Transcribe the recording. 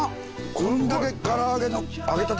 こんだけ唐揚げの揚げたて